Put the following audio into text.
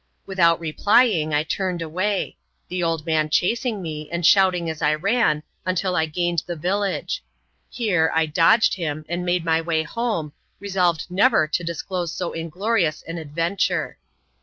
Without replying, I hurried away ; the old man chasing me,, and shouting as I ran, until I gained the village. Here, I dodged him, and made my way home, resolved never to disclose so in glorious an adventure.